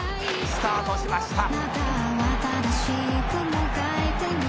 「スタートしました」